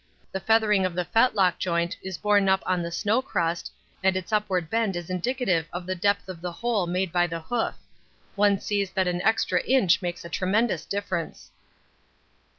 The feathering of the fetlock joint is borne up on the snow crust and its upward bend is indicative of the depth of the hole made by the hoof; one sees that an extra inch makes a tremendous difference.